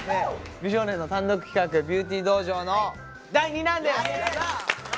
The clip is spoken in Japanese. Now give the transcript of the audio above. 美少年の単独企画「ビューティー道場」の第２弾です！